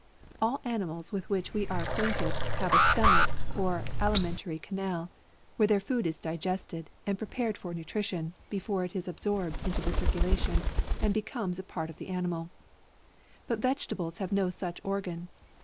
All animals with which we are acquainted, have a stomach or alimentary canal, where their food is digested, and prepared for nutri tion, before it is absorbed into the circulation and becomes a part of the animal ; but veg etables have no such organ.